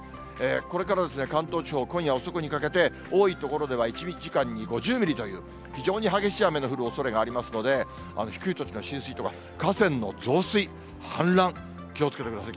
これから、関東地方、今夜遅くにかけて、多い所では１時間に５０ミリという、非常に激しい雨の降るおそれがありますので、低い土地の浸水とか、河川の増水、氾濫、気をつけてください。